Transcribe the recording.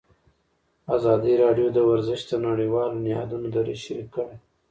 ازادي راډیو د ورزش د نړیوالو نهادونو دریځ شریک کړی.